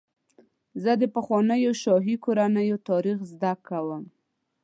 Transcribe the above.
زه د پخوانیو شاهي کورنیو تاریخ زدهکړه کوم.